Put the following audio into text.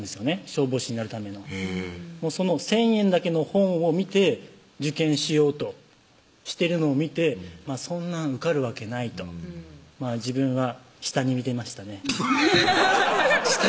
消防士になるためのへぇその１０００円だけの本を見て受験しようとしてるのを見てそんなん受かるわけないと自分は下に見てましたねブハッ